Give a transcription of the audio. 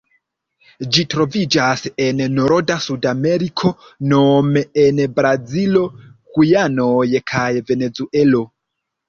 Ĝi troviĝas en norda Sudameriko nome en Brazilo, Gujanoj kaj Venezuelo.